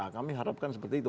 kami harapkan seperti itu